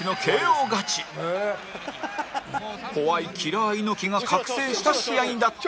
怖いキラー猪木が覚醒した試合だった